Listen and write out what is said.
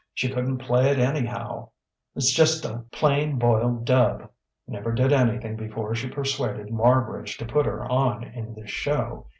She couldn't play it anyhow 's just a plain boiled dub never did anything before she persuaded Marbridge to put her on in this show.